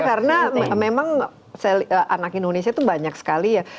karena memang anak indonesia itu banyak sekali ya